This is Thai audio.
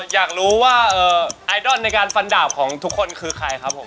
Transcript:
อยากรู้ว่าไอดอลในการฟันดาบของทุกคนคือใครครับผม